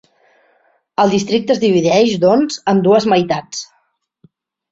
El districte es divideix, doncs, en dues meitats.